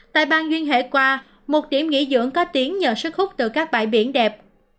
tại bang nguyên hệ qua một điểm nghỉ dưỡng có tiếng nhờ sức hút từ các bãi biển đẹp